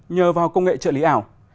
nhờ vào công nghệ trợ lý ảo